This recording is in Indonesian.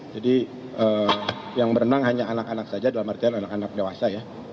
jadi yang berenang hanya anak anak saja dalam artian anak anak dewasa ya